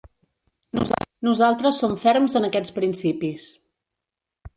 Nosaltres som ferms en aquests principis.